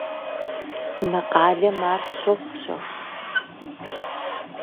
Мы къалэм ар щохъу щэху.